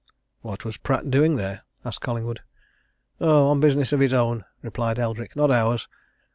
"What was Pratt doing there?" asked Collingwood. "Oh, business of his own," replied Eldrick. "Not ours.